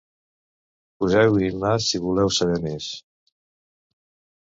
Poseu-hi el nas, si en voleu saber més.